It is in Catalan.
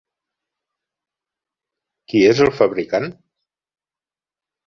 Qui és el fabricant?